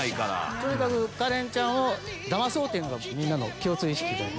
とにかくカレンちゃんをだまそうというのが共通意識で。